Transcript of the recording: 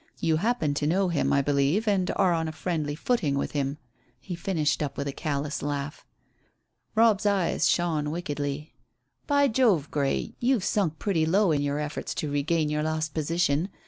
You happen to know him, I believe, and are on a friendly footing with him." He finished up with a callous laugh. Robb's eyes shone wickedly. "By Jove, Grey, you've sunk pretty low in your efforts to regain your lost position.